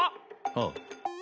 ああ。